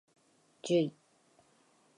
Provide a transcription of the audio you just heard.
じゅい